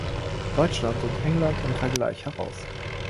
Deutschland und England im Vergleich" heraus.